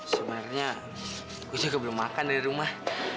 sebenernya gue juga belum makan dari rumah